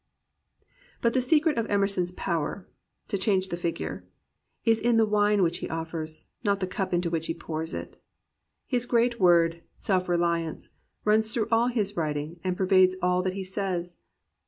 But the secret of Emerson's power, (to change the figure,) is in the wine which he offers, not the cup into which he pours it. His great word, — "self reliance," — runs through all his writing and per vades all that he says.